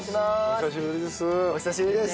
お久しぶりです。